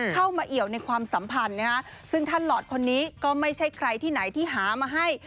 เอี่ยวในความสัมพันธ์นะฮะซึ่งท่านหลอดคนนี้ก็ไม่ใช่ใครที่ไหนที่หามาให้